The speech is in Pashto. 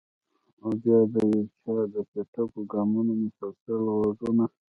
او بیا د یو چا د چټکو ګامونو مسلسل غږونه!